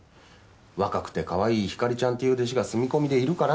「若くてかわいいひかりちゃんっていう弟子が住み込みでいるから」